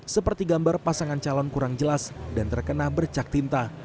seperti gambar pasangan calon kurang jelas dan terkena bercak tinta